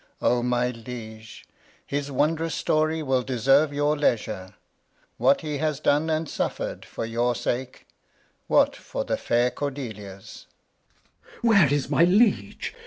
O my Liege ! His wond'rous Story will deserve your Leisure ; What he has done and suffer'd for your Sake, What for the fair Cordelia's. Glost. Where's my Liege